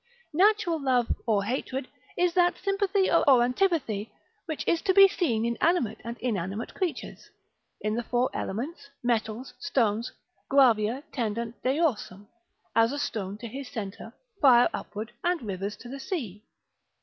Natural love or hatred, is that sympathy or antipathy which is to be seen in animate and inanimate creatures, in the four elements, metals, stones, gravia tendunt deorsum, as a stone to his centre, fire upward, and rivers to the sea.